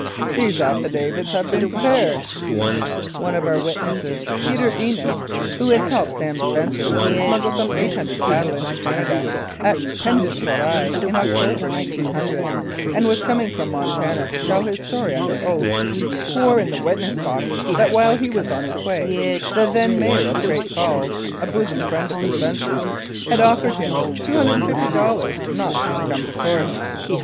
these affidavits have been prepared." One of our witnesses, Peter Ennis, who had helped Sam Spencer to smuggle some 800 cattle into Canada at Pendant d'Oreille in October, 1900, and was coming from Montana to tell his story under oath, swore in the witness box that while he was on his way the then Mayor of Great Falls (a bosom friend of the Spencers) had offered him $250 not to come to Court.